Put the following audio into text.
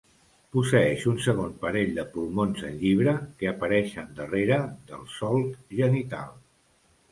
Posseeix un segon parell de pulmons en llibre, que apareixen darrere del solc genital.